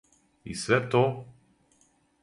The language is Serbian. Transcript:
И све то!